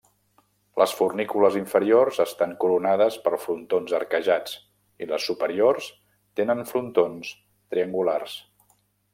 Les fornícules inferiors estan coronades per frontons arquejats i les superiors tenen frontons triangulars.